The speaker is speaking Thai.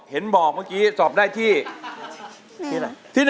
เพื่อจะไปชิงรางวัลเงินล้าน